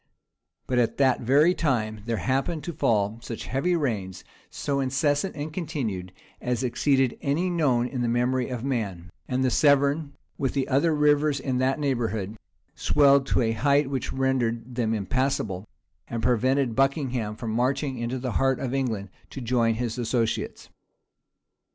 But at that very time there happened to fall such heavy rains, so incessant and continued, as exceeded any known in the memory of man; and the Severn, with the other rivers in that neighborhood, swelled to a height which rendered them impassable, and prevented Buckingham from marching into the heart of England to join his associates.